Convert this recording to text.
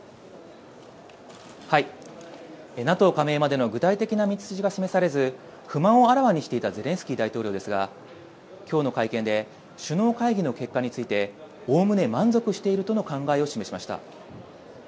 ＮＡＴＯ加盟までの具体的な道筋が示されず不満をあらわにしていたゼレンスキー大統領ですが今日の会見で首脳会議の結果についておおむね満足しているとの考えを示しました。